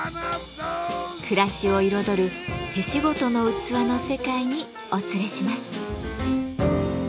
暮らしを彩る手仕事の器の世界にお連れします。